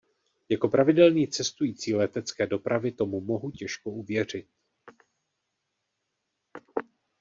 Jako pravidelný cestující letecké dopravy tomu mohu těžko uvěřit.